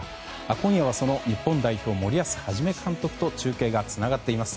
今夜はその日本代表森保一監督と中継がつながっています。